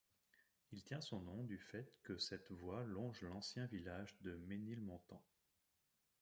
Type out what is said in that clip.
Il tient son nom du fait que cette voie longe l'ancien village de Ménilmontant.